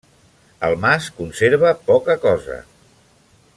El mas conserva poca cosa.